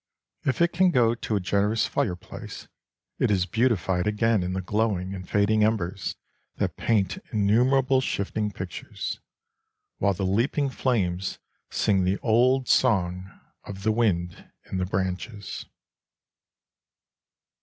If it can go to a generous fireplace, it is beautified again in the glowing and fading embers that paint innumerable shifting pictures, while the leaping flames sing the old song of the wind in the branches.